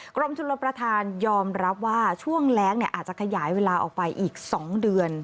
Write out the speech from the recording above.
กรมชนลประธานยอมรับว่าช่วงแรงอาจจะขยายเวลาออกไปอีก๒เดือน